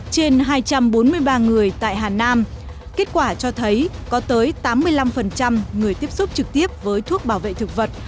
trên hai trăm bốn mươi ba người tại hà nam kết quả cho thấy có tới tám mươi năm người tiếp xúc trực tiếp với thuốc bảo vệ thực vật